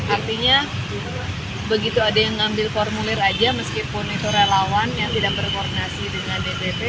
artinya begitu ada yang ngambil formulir aja meskipun itu relawan yang tidak berkoordinasi dengan dpp